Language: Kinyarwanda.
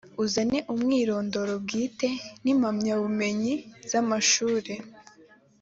uzane umwirondoro bwite n ‘impamyabumenyi z’ amashuri.